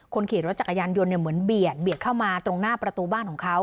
คนขี่รถจักรยานยนต์เนี่ยเหมือนเบียดเบียดเข้ามาตรงหน้าประตูบ้านของเขา